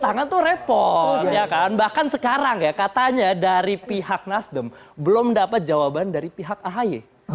tangan tuh repon bahkan sekarang ya katanya dari pihak nasdem belum dapat jawaban dari pihak ahy